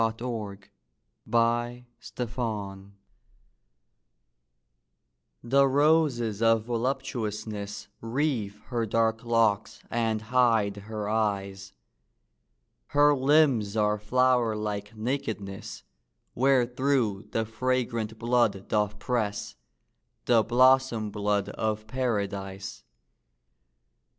THE WORLD'S DESIRE The roses of voluptuousness Wreathe her dark locks and hide her eyes; Her limbs are flower like nakedness, Wherethrough the fragrant blood doth press, The blossom blood of Paradise.